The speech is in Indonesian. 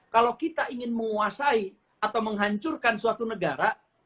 kalau kita ingin menguasai atau menghancurkan suatu negara